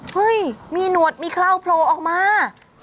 เฮ้ยมีหนวดมีเคราวโผล่ออกมา